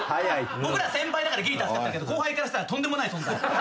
僕ら先輩だからぎり助かったけど後輩からしたらとんでもない存在。